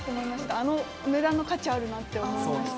あの値段の価値あるなって思いました。